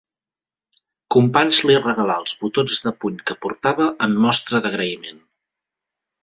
Companys li regalà els botons de puny que portava en mostra d'agraïment.